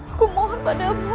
aku mohon padamu